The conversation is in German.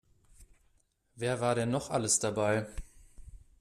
Wer war denn noch alles dabei?